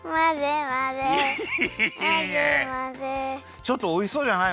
ちょっとおいしそうじゃない？